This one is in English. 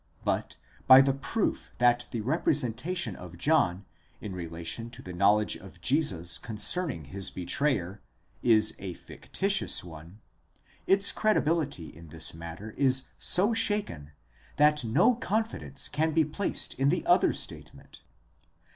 But by the proof that the representation of John, in relation to the knowledge of Jesus concerning his betrayer, is a fictitious one, its credibility in this matter is so shaken, that no confidence can be placed in the other statement.